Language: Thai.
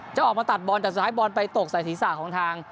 จะออกมาตัดบอลแต่สุดท้ายบอลไปตกใส่ศีรษะของทาง